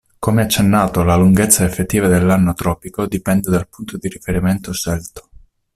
Come accennato, la lunghezza effettiva dell'anno tropico dipende dal punto di riferimento scelto.